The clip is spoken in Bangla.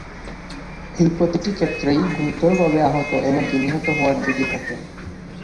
এই প্রতিটি ক্ষেত্রেই গুরুতরভাবে আহত এমনকি নিহত হওয়ার ঝুঁকি থাকে।